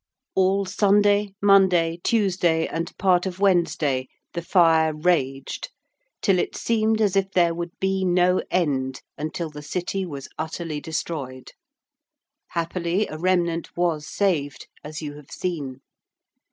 _)] All Sunday, Monday, Tuesday and part of Wednesday, the fire raged, till it seemed as if there would be no end until the City was utterly destroyed. Happily a remnant was saved, as you have seen.